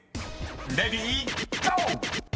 ［レディーゴー！］